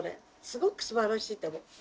すごくすばらしいと思う。